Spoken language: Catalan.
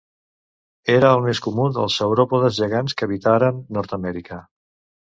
Era el més comú dels sauròpodes gegants que habitaren Nord-amèrica.